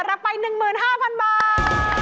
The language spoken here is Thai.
รับไป๑๕๐๐๐บาท